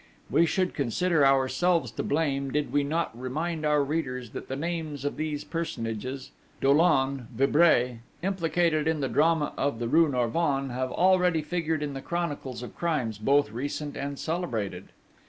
We should consider ourselves to blame, did we not now remind our readers that the names of those personages Dollon, Vibray implicated in the drama of the rue Norvins, have already figured in the chronicles of crimes, both recent and celebrated.